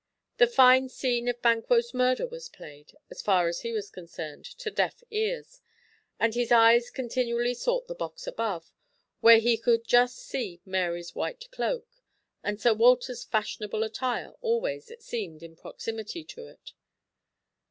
The fine scene of Banquo's murder was played, as far as he was concerned, to deaf ears, and his eyes continually sought the box above, where he could just see Mary's white cloak, and Sir Walter's fashionable attire always, it seemed, in proximity to it.